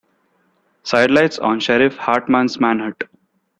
Sidelights on Sheriff Hartman's manhunt.